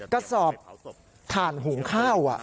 กระสอบถ่านหุงข้าว